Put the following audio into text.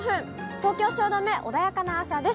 東京・汐留、穏やかな朝です。